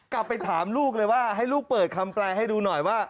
กลับไปถามลูกเลยว่าให้ลูกเปิดคำแปลให้ดูหน่อยว่า